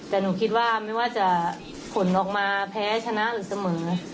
แต่หนูคิดว่าไม่ว่าจะผลออกมาแพ้ชนะหรือเสมอ